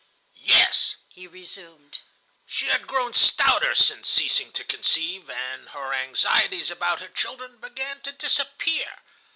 "Yes," he resumed "she had grown stouter since ceasing to conceive, and her anxieties about her children began to disappear.